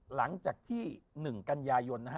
หลังจากที่๑กัญญายน